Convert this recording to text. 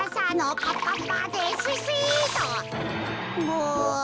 もう。